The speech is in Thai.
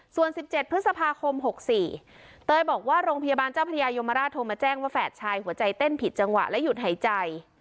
ส่วน๑๗พฤษภาคม๖๔เตยบอกว่าโรงพยาบาลเจ้าพระยายมราชโทรมาแจ้งว่าแฝดชายหัวใจเต้นผิดจังหวะและหยุดหายใจ